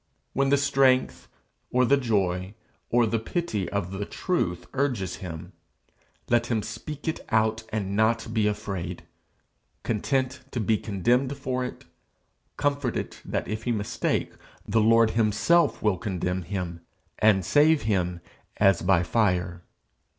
When the strength or the joy or the pity of the truth urges him, let him speak it out and not be afraid content to be condemned for it; comforted that if he mistake, the Lord himself will condemn him, and save him 'as by fire.'